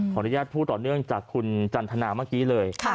อนุญาตพูดต่อเนื่องจากคุณจันทนาเมื่อกี้เลย